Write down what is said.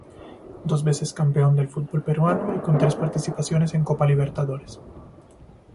Dos veces campeón del fútbol peruano y con tres participaciones en Copa Libertadores.